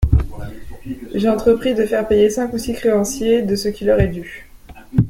J'ai entrepris de faire payer cinq ou six créanciers de ce qui leur est dû.